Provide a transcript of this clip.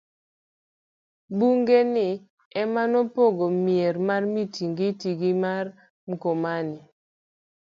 bungu ni ema nopogo mier mar Mtingiti gi mar Mkomani